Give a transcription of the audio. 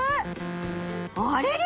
あれれ？